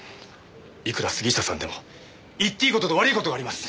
いくら杉下さんでも言っていい事と悪い事があります。